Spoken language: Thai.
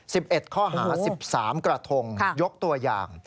รวมของ๑๑ข้อหา๑๓กระทงยกตัวอย่าง